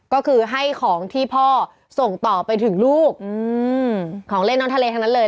ก็คือให้ของที่พ่อส่งต่อไปถึงลูกของเล่นน้องทะเลทั้งนั้นเลย